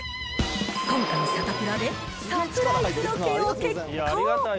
今回、サタプラでサプライズロケを決行。